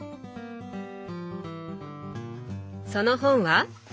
その本は？